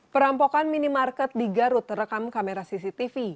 perampokan minimarket di garut terekam kamera cctv